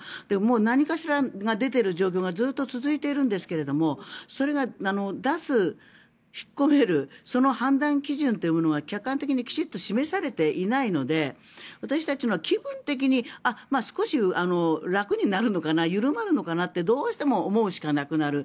何かしらが出ている状況がずっと続いているんですがそれが出す、ひっこめるその判断基準というのが客観的にきちんと示されていないので私たちの気分的にあ、少し楽になるのかな緩まるのかなとどうしても思うしかなくなる。